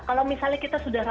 kalau misalnya kita sudah